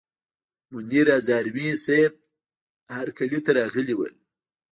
منیر هزاروي صیب هرکلي ته راغلي ول.